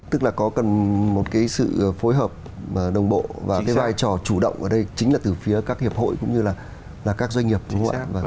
tức là có cần một cái sự phối hợp đồng bộ và cái vai trò chủ động ở đây chính là từ phía các hiệp hội cũng như là các doanh nghiệp đúng không ạ